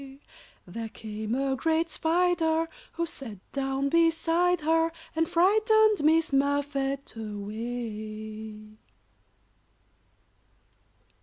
There came a great spider, Who sat down beside her, And frightened Miss Muffet away.